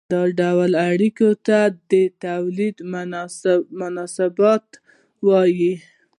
دې ډول اړیکو ته د تولید مناسبات وايي.